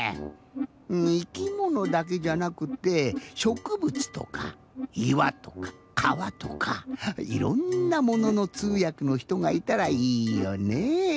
いきものだけじゃなくってしょくぶつとかいわとかかわとかいろんなもののつうやくのひとがいたらいいよね。